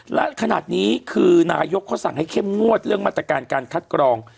และขนาดนี้คือนายกเขาสั่งให้เข้มงวดเรื่องมาตรการการคัดกรอง